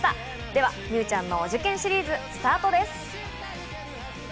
では、美羽ちゃんのお受験シリーズスタートです。